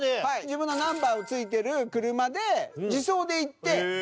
自分のナンバーがついてる車で自走で行って。